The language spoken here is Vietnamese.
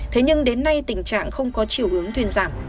thế nhưng đến nay tình trạng không có chiều hướng thuyên giảm